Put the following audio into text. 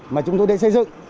mà chúng tôi đã xây dựng